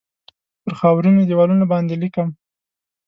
پر خاورینو دیوالونو باندې لیکم